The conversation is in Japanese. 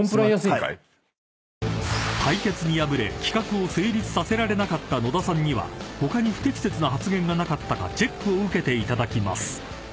［対決に敗れ企画を成立させられなかった野田さんには他に不適切な発言がなかったかチェックを受けていただきます］